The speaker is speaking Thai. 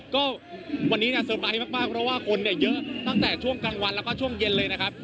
ก็วันนี้เนี่ยเซอร์ไพรส์มากเพราะว่าคนเนี่ยเยอะตั้งแต่ช่วงกลางวันแล้วก็ช่วงเย็นเลยนะครับ